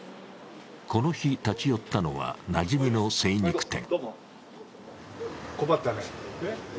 この日、立ち寄ったのはなじみの精肉店。